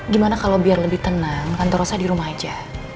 gimana kalau biar lebih tenang kantor saya di rumah aja